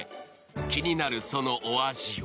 気になるそのお味は